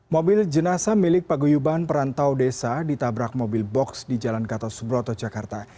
mobil jenasa milik paguyuban perantau desa ditabrak mobil box di jalan gatot subroto jakarta